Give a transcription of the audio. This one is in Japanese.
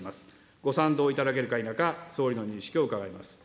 ご賛同いただけるか否か、総理の認識を伺います。